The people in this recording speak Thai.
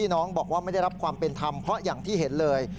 น้องบอกว่าไม่ได้รับความเป็นธรรมเพราะอย่างที่เห็นเลย